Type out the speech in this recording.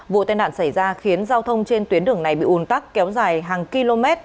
vụ tên đạn xảy ra khiến giao thông trên tuyến đường này bị ùn tắc kéo dài hàng km